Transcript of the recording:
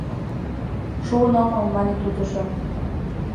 — Шуын омыл, — мане тудыжо.